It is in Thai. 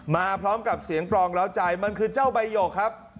มาพร้อมกับเสียงปลองแล้วใจมันคือเจ้าใบหยกครับ